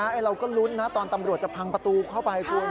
เราก็ลุ้นนะตอนตำรวจจะพังประตูเข้าไปคุณ